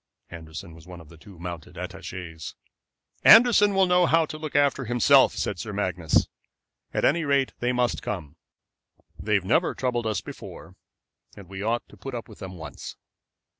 Anderson was one of the two mounted attachés. "Anderson will know how to look after himself," said Sir Magnus. "At any rate they must come. They have never troubled us before, and we ought to put up with them once."